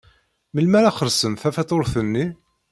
Melmi ara xellṣen tafatuṛt-nni?